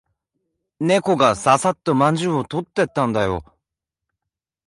猫がささっとまんじゅうを取ってったんだよ。